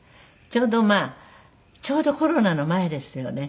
ちょうどまあちょうどコロナの前ですよね